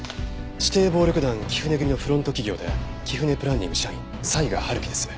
指定暴力団貴船組のフロント企業でキフネ・プランニング社員才賀春樹です。